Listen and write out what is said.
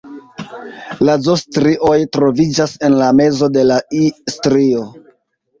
La Z-strioj troviĝas en la mezo de la I-strio.